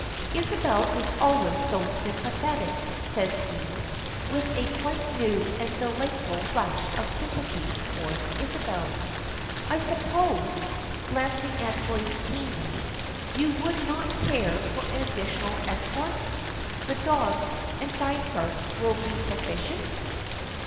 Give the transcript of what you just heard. "Isabel is always so sympathetic," says he, with a quite new and delightful rush of sympathy toward Isabel. "I suppose," glancing at Joyce keenly, "you would not care for an additional escort? The dogs and Dysart will be sufficient?"